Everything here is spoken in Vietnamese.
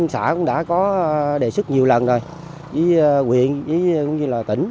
xã cũng đã có đề xuất nhiều lần rồi với quyền với tỉnh